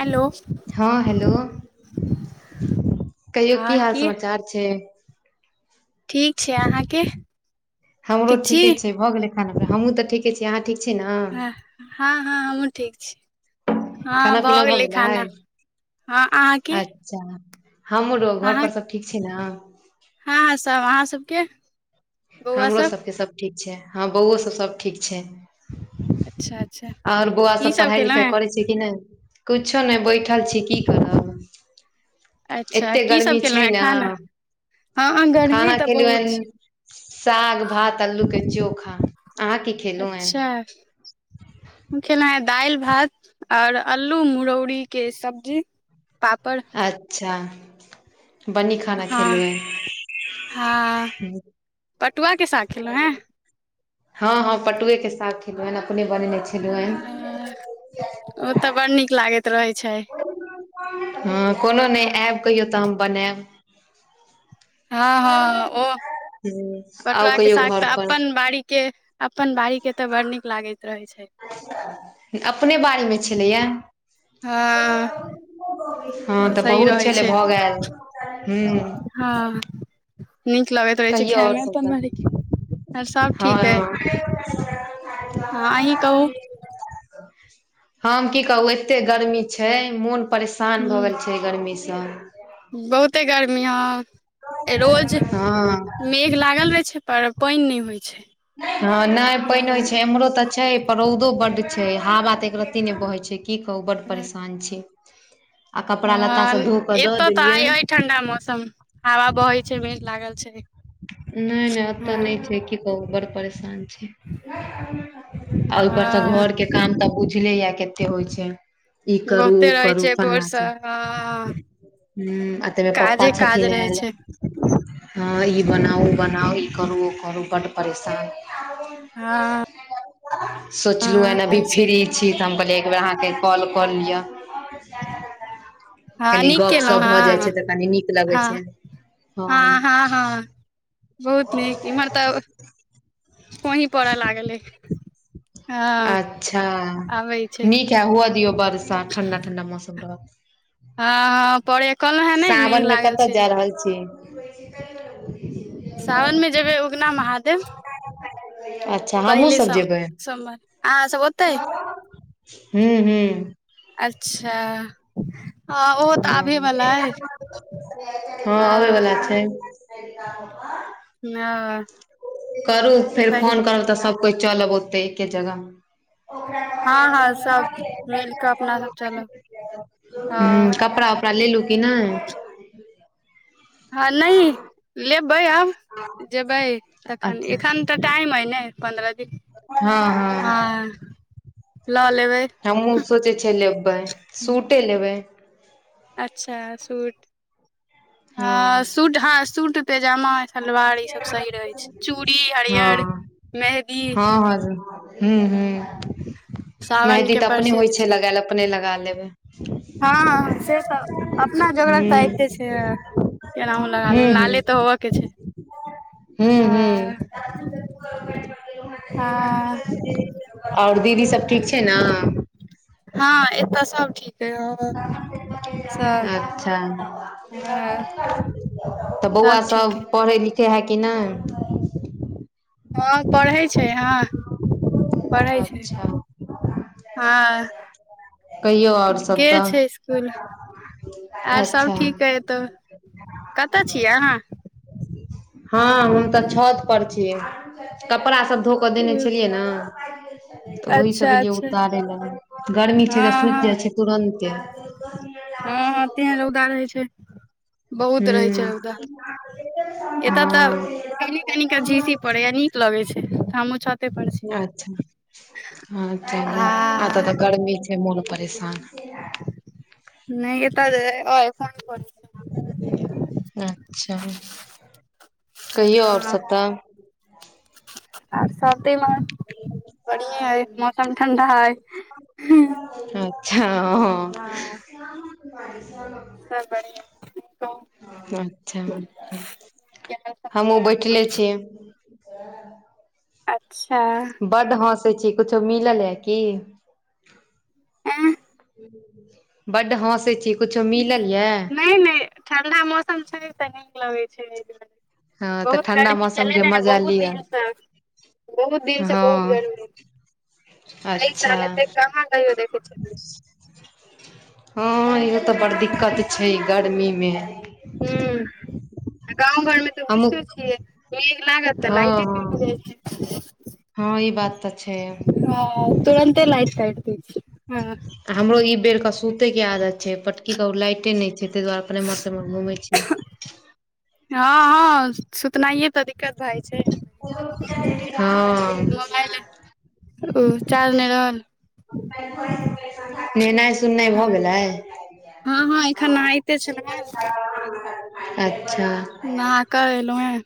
Hello हाँ hello कहियो की हाल समाचार छैय। ठीक छै अहाँके हमरो ठीक छी ठीके छैय, भऽ गेलै खाना हमूँ तऽ ठीके छी, अहाँ ठीक छी नऽ। हाँ - हाँ हमहुँ ठीक छी, हाँ भऽ गेलै खाना हाँ अँहाके अच्छा हमरो घोर पर सब ठीक छी नऽ। हाँ - हाँ सब अहाँ सबके बौआ हमरो सब सभके सभ ठीक छैय, हाँ बौओ सब सभ ठीक छैय। अच्छा अच्छा ओर बौआ की सब पढ़ाइ खेलहुँ लिखाइ हेँ करै छैय, कि नय। कुछो नै बैठल छी की करब अच्छा एते की सब गर्मी खेलहुँ छैय हेँ न खाना हँ गर्मी खाना तऽ खेलिय बहुत हन छै साग, भात, अल्लू के चोखा अहाँ की खेलु हन अच्छा हम खेलहु हैं दाईल, भात, और अल्लू मुरौरी के सब्जी पापड़ अच्छा बनी खाना खेलहुँ है। हाँ पटुआके साग खेलहुँ हें हाँ - हाँ पटुऐ के साग खेलहुंहै अपने बने छी। हँ ओ तऽ बड़ नीक लागैत रहे छैय। हाँ कुनु नय आयब कहियौ तऽ हम बनायब हाँ -हाँ ओ ह पटुआ आउ के कहियो साग घर तऽ अपन पर बाड़ी के अपन बाड़ी के तऽ, बड़ नीक लागैत रहे छैय। अपने बारड़ीमे छलैएा हाँ हाँ तऽ, बहुत छलै भऽ गेल हुँ हाँ नीक लगैत रहै छैय, कहियौ खाइ आओर मे सब अपन तऽ बारीके आर सब हँ ठीक अइ, हँ हाँ अहि कहूँ। हम की कहूँ एते गर्मी छैय, मोन परेशान भऽ ह गेल छैय। एतै गरमीसँ बहुते गर्मी हाँ रोज - हँ - मेघ लागल रहै छै पर पाइन नै होइ छइ। हॅं नय पाइन होइ छै इम्हरो तऽ छैय। रौउदो बड्ड छै हवा तऽ एक रत्ती ने बहै छै की कहू बड्ड परेशान छी। आ कपड़ा लत्ता हॅं सब धो कऽ दऽ एत्तऽ त आय देलियै अइ ठंडा मौसम हवा बहय छै मेघ लागल छय। नै- नै एत्तऽ नै छै की कहू बड्ड परेशान छी। आ ओइ पर से हँ घर के काम तऽ बुझले ये कत्ते होइ छैय। ई करू बहुते उ रहै करू छै फल्लां भोरसँ हँ चील हूं आ तइमे पप्पा काजे काज छथिन रहै आएल। छै हँ ई बनाउ ओ बनाउ ई करू ओ करू बड्ड परेशान हँ सोचलू हँ हन अभी होइ छै फ्री छी तऽ हम कहलियै एक बेेर अहाँके कॉल कऽ लियऽ। हँ कनी नीक गप - केलहुँ सप भऽ जाइ हँ छै तऽ कनी नीक लगै हँ छै। हँ। हँ बहुत नीक इम्हर तऽ फुही पड़ऽ लागलै। अच्छा आबै छै नीक हे हुअ दियौ बर्षा ठंडा- ठंडा मौसम रहत। हँ परैये कल हे [unintelligible] सावन मे कतऽ जा रहल छी? सावन मे जेबै उगना महादेव। अच्छा हमहूँ पहिले सब सम जेबै। सोमवार अहाँ सब ओतै हूं हूं। अच्छा। हँ ओहो तऽ आबे वला अइ हँ अबै बला छैन। ह [unintelligible] करू फेर फोन करब तऽ सब कोइ चलब ओतै एके जगह। ओकरा हँ हँ सब मिल कऽ कहलियै अपना सब चलब [inaudible] हँ हूं कपड़ा - उपड़ा लेलू की नै? हँ नइ, लेबै आब जेबै तखन अच्छा एखन तऽ टाइम अइ ने। पन्द्रह दिन हँ लऽ लेबै। हमहूँ सोचै छियै लेबै सूटे लेबै। अच्छा सूट हँ सूट हँ सूट पैजामा सलवार ई सब सही रहय छै चूड़ी हरियर, मेहदी आ [inaudible] हूं हूं सावन मेहदी के तऽ अपने होइ प्रसिद्ध छै लगायल अपने लगा लेब। हँ हॅं हॅं से तऽ अपना जोगरक तऽ हूं अइबते छै ए। केनाहु लगा लेब लाले तऽ होबऽके छै। हू हू हँ हँ [unintelligible] आओर दीदी सब ठीक छै न? हँ एतऽ सब ठीक अइ हँ सब अच्छा। हँ तऽ बौआ ठीक अइ सब पढ़ै लिखै है कि नहि? हँ पढ़ै छै हँ पढ़ै छै। अच्छा हँ, कहियौ आओर सब गेल तऽ छै स्कुल। आर सब अच्छा ठीक अइ एतौ, कतऽ छिय अहाँ? हँ हम तऽ छत पर छी कपड़ा सब धो क देने छेलियै न तऽ ओही सब अच्छा एलियै अच्छा उतारै लै गर्मी सीधा हँ सुइख हँ जाइ छैय तुरन्ते। हँ- हँ तेहेन रौदा रहैय छैय, बहुत रहैय छैय हूँ रौदा। एतऽ त हँ कनी- कनी क झीसी पड़ैया नीक लगय छैय। हमहुँ छ अच्छा ह- हूं [unintelligible] अतऽ आ त गर्मी छैय मोन परेशान। नय एत एखन परै [unintelligible] अच्छा कहियौ आओर हँ सब त। आर सब [unintelligible] बढ़ियाँ अइ मौसम ठण्डा अइ। अच्छा। हँ। बारिस [inaudible] सब बढ़ियाँ। [unintelligible] अच्छा हमहुँ बैठले छियै। अच्छा। बड हँसै छी, कुछो मिलल है की? एं बड हँसै छी, कुछो मिलल यऽ? नय- नय ठंडा मौसम छैय त नीक लगैय छैय एहि हँ दुआरे। तऽ बहुत ठण्डा गर्मी छलै मौसमके ने मजा बहुत लिअ दिनसँ, बहुत दिनसँ बहुत हँ गर्मी। एहि अच्छा साल एते कहाँ कहियो देखैय छलियै। हँ इहे त बड़ दिक्कत छैय गर्मीमे। हूँ आ गाँव घरमे हमहूँ बुझिते छियै मेघ लागत त हँ लाइटे के हँ भ जाइ छैय। हँ इ बात त छैय। ह तुरन्ते लाइट काइट दय छय। हमरो ई बेर क सुते के आदत छैय, पर की करू लाइटे नय छैय, ताहि दुआरे अपन एम्हर से उम्हर घूमय छियै। हँ-हँ सुतनाइए त दिक्कत भए जाइ छैय। हँ। मोबाइल ओ चार्ज नहि रहल नहेनाइ सुननाइ भ गेलै? हँ-हँ एखन नहाइते छलौ हँ। अच्छा। नहा केँ ऐलउ हे,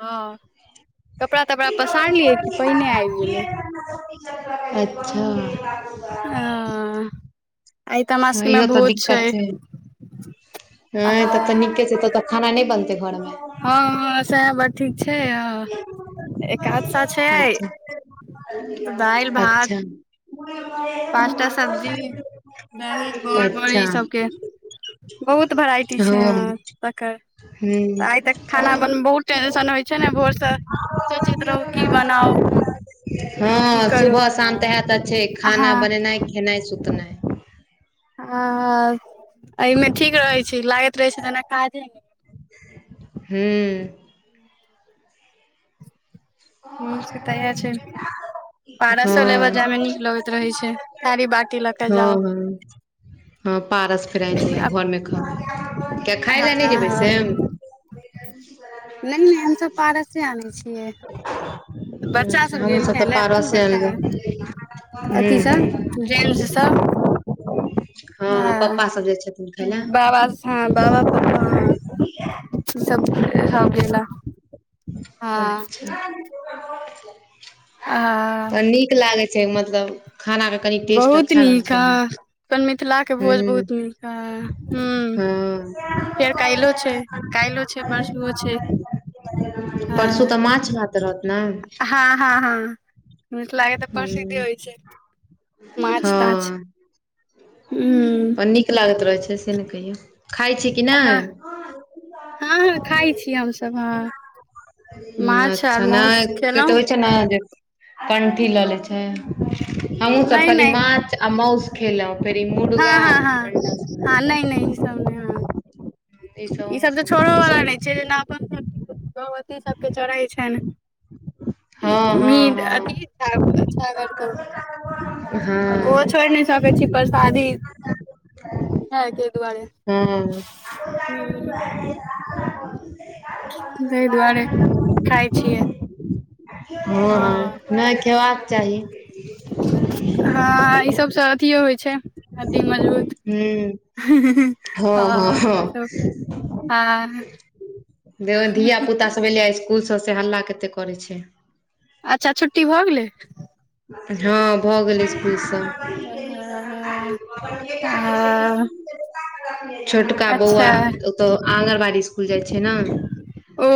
हँ। कपड़ा-तपड़ा पसारलियै कि पाइने आबि गेलैय। अच्छा। आ आइ तऽ हमरा हँ सबके मे इहो तऽ भोज छैय। हू तऽ त नीके छैय, तब त खाना नहि बनतै घर मे? हँ-हँ सएह बात ठीक छैय, अ एकादशा छैय। अच्छा अच्छा। पाँचटा सब्जी दही बड़-बड़ी अच्छा इ सबके बहुत वेराइटी छैय हँ यहाँ तकर। त आइ त खाना बनबयमे बहुत टेंशन होइत छैने, भोरसँ सोचैत रहू की बनाउ। की हँ करू सुबह शाम वएह हँ त छैेय खाना हँ बनेनाइ, खेनाइ, सुतनाइ। हँ- हँ एहिमे ठीक रहै छैय, लागैत रहैय छैय जेना काजे नै। हूँ। हूँ सेतऽ इह हँ छै। पारसो लेबऽ हँ जायमे नीक लगैत रहै छै थारी बाटी लऽ कऽ जाउ। हँ हँ पारस फेर आइन लिय हँ घरमे खाउ। किये खाय लए नहि जेबै से? नहि-नहि हमसब पारसे आने छियै। बच्चा अच्छा हं हमूँ गेल सब खाय तऽ पारसे अनबय। अथीसँ जेंस स। हँ- हँ पप्पा सभ जाइ छथिन खाय लए। बाबा हँ बाबा पप्पा हँ सब- सब गेला। हँ अच्छा। आ तऽ नीक लागै छै मतलब खाना रख। बहुत नीक ह अपन मिथिलाके भोज हूँ बहुत नीक ह। हँ। छै काल्हिो छै परसुओ छै [unintelligible] परसू तऽ हँ माछ भात रहत ने? हँ हँ हँ मिथिला के तऽ हूँ प्रसिद्धि होइ छै माछ हँ ताछ। हूँ नीक लागैत रहै छै से ने कहियौ। खाय छी कि नहि हँ हँ हँ खाइ छीय हमसभ हँ। माछ आर माउस खेलहुँ [unintelligible] [unintelligible] कंठी लऽ लै छै हमहुँ सब नहि कहलियै नहि माछ आ मौंस खेलौं, फेर ई हँ मूरगा हँ ई हँ अंडा सब हँ नहि नहि ई सब नहि हँ ई सब हमहुॅं तऽ सब नै छोड़ो खाइ वाला छी। नहि जेना अपन सभके भगवती सभके चढ़ै छनि। हँ हँ मीट हँ अथी छागर कतौ। हँ। छोड़ि नहि सकै छी परसादी खाय के दुआरे। हँ हूँ। तहि दुआरे खाय छियै। हँ हँ नहि खेबाक चाही। हँ ई सबसँ अथियो होइ छै हड्डी मजबूत। हूॅं हँ हँ हँ। ई सब हँ [unintelligible] धिया पुता सभ एलैयै इसकुल सभ से हल्ला कतेक करै छै। अच्छा, छुट्टी भऽ गेलै? हँ भऽ गेलै इसकुलसभ। हँ हॅं। छोटका अच्छा बौआ तऽ आंगनबाड़ी स्कुल जाइ छै न। ओ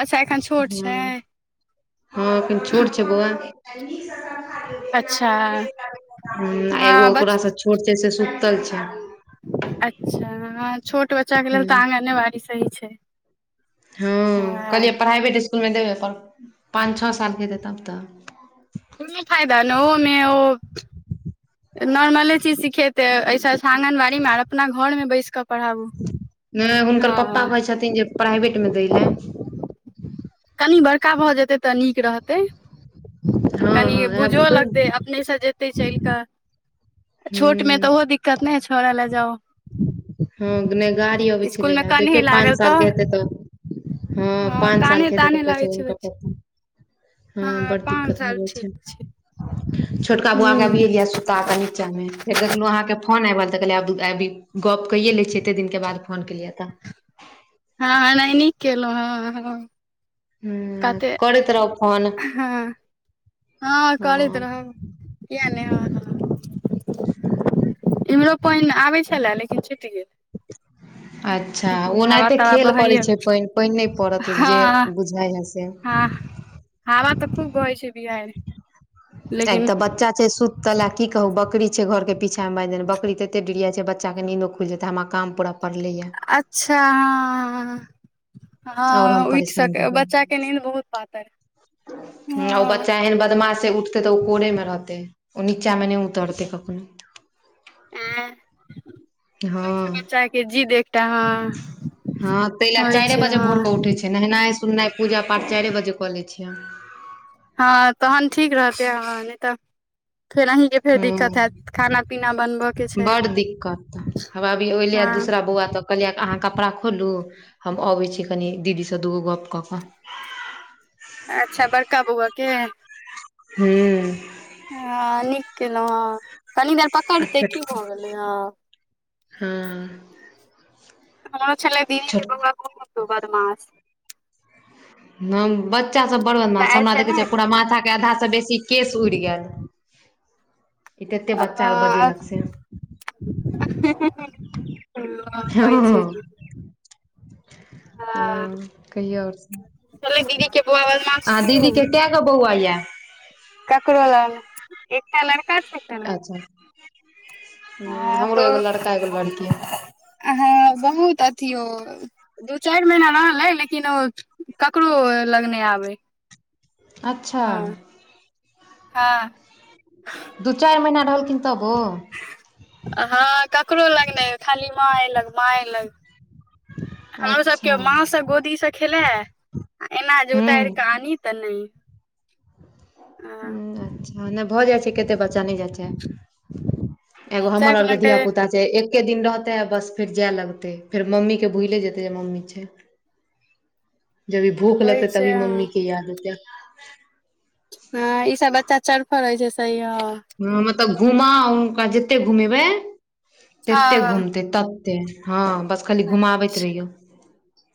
अच्छा एखन छोट छै। हँ हँ अखैन छोट छै बौआ। अच्छा हूॅं एगो हँ बच ओकरा से छोट छै से सुतल छै। अच्छा हॅं छोट बच्चा बच्चाक लेल हूँ तऽ आँगने बाड़ी सही छै। हँ। इसकुलमे देबै पर पाँच छओ सालके हेतै तब तऽ। कोनो फायदा ने ओहोमे ओ नॉर्मले चीज सिखेतै ऐसे बढ़िया आंगनबाड़ी मे आर अपना घर मे बैस कऽ पढ़ाबू नहि हुनकर पप्पा हँ कहै छथिन जे प्राइवेट मे दै लए। कनि बड़का भऽ जेतै तऽ नीक रहतै। हँ कनि हँ आब बुझो हूँ लगतै अपने सँ जेतै चलि कऽ, छोट मे हँ तऽ ओहो दिक्कत नहि छोड़य लए जाउ। हँ नहि गाड़ी अबै छलैए इसकुलमे ने कान्हे देखियौ पाँच लागल सालके हेतै तऽ, हँ पाँच साल कान्हे के हेतै तऽ तान्हे लागै पहुचाबए छै हुनका [unintelligible] बच्चा पप्पा। हँ बड़ पाँच दिक्कत भए साल जाइ ठीक छै छैय छोटका बौआ के अभी हूँ एलियैए सुता के कनि, नीचा मे फेर देखलहु अहाँके फोन आबि रहल तऽ कहल- गप्प कइये लै छी, एते दिन के बाद फोन केलियै तऽ, हँ एनाहि नीक केलहुँ हँ हँ। हँ कते करैत रहू फोन हँ हँ करैत हँ रहब। किया नै हँ हँ इम्हरो पानि आबै छैलाए न कि छुटि गेल। अच्छा हवा ओनाहिते तवा खेल करै बहैया छैय, पाइनि नहि पड़त जे हँ बुझाइ ह से, हँ हवा तऽ खूब बहय छैय बिहाइर। तऽ एक तऽ बच्चा छैय सुत- सुतल आ की कहू बकरी छैय घर के पीछामे बानिह देने बकरी त एते डिरियाइ छैय बच्चा केँ नींदो खुलि जेतै हमरा काम पुरा- पड़ले या। अच्छा हँ। हँ और हम उठि परेशान सकै भऽ बच्चा जेब के नींद बहुत पातर। ओ हँ बच्चा एहन बदमाश, उठतै तऽ ओ कोरे मे रहतै ओ नीचा मे नहि उतरतै कखनो। ओ होइ हँ छैय बच्चा के जीद एकटा हँ। हँ ताहि लैए होइ चारिए छै बजे हँ भोर कऽ उठै छिय नहेनाइ सुनैनाइ पूजा पाठ चारिए बजे कऽ लैत छिय हँ तहन ठीक रहते हॅं नहि तऽ फेर ऑंही के, फेर हूं दिक्कत हैत खाना पीना बनबऽ के छै बड़ दिक्कत ह अभी ले हँ दूसरा बौआ तऽ, कहलियए अहाँ कपड़ा खोलू, हम अबै छी कनि दीदी सँ दूगो गप्प कऽ कऽ अच्छा बड़का बौआ के, हूंऽ। हॅं नीक केलहु हँ कनी देर पकड़ते की भऽ गेलै हॅं। हँऽ हमरो छलै दीदी छोट के बौआ बहु बदमास। हॅं बच्चासभ बड़ बदमाश काल्हि हमरा से देखै ने छिय पूरा माथाके आधासँ बेसी केश उड़ि गेल। ई तते बच्चा आऔर बजेलक से, ह हँ होइ छैय हॅं कहियोऔर छलै सब दीदी के बौआ बदमाश आहाॅं दीदी खूब के, गो बौआ यैए, ककरो लै नै, क लड़का, एकटा लड़की अच्छा। हूँ हँ हमरो तो एगो लड़का एगो लड़की हॅं बहुत अथी हो, दू चारि महीना रहलै लेकिन ओ ककरो लग नहि आबै अच्छा हँ हँ दू चारि महिना रहलखिन तबो हँ ककरो लग नहि खाली माँ एलग माँ एलग, हमरो सभके अच्छा माँ सँ गोदीसँ खेलाए आ ऐना जे हूँ उतारि कऽ आनी तऽ नहि हु अच्छा नहि भऽ जाइ छै केते बच्चा नहि जा चाहय एगो चारि हमर आर के मिनट धिया पुता जे एक्के दिन रहतै आ बस फेर जाए लगतै फेर मम्मीके भुलै जेतै जे मम्मी छै। जभी भूख होइ लगते छै तभी मम्मी के याद एते। हँ ई सब बच्चा चर फड़ होइछै सही ह। हँ मतलब घुमाउ हुनका जते घुमेबै हँ तते घुमतै तत ते हँ बस खाली हँ घुमाबैत रहियऔ।